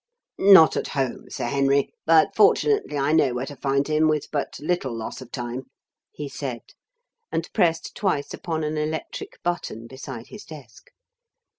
"Not at home, Sir Henry; but, fortunately, I know where to find him with but little loss of time," he said, and pressed twice upon an electric button beside his desk.